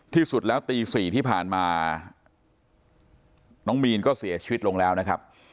ที่สุดแล้วตี๔ที่ผ่านมาน้องมีนก็เสียชีวิตลงแล้วนะครับ